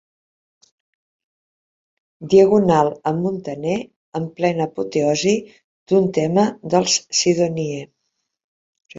Diagonal amb Muntaner en plena apoteosi d'un tema dels Sidonie.